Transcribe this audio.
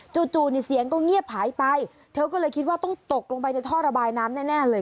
จู่นี่เสียงก็เงียบหายไปเธอก็เลยคิดว่าต้องตกลงไปในท่อระบายน้ำแน่เลย